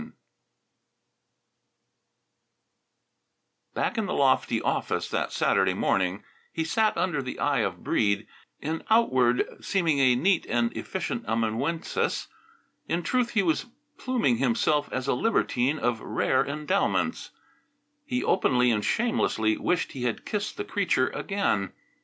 IX Back in the lofty office that Saturday morning he sat under the eye of Breede, in outward seeming a neat and efficient amanuensis. In truth he was pluming himself as a libertine of rare endowments. He openly and shamelessly wished he had kissed the creature again.